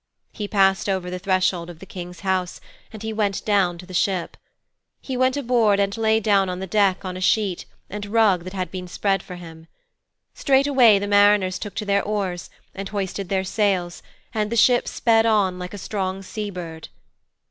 He passed over the threshold of the King's house, and he went down to the ship. He went aboard and lay down on the deck on a sheet and rug that had been spread for him. Straightway the mariners took to their oars, and hoisted their sails, and the ship sped on like a strong sea bird.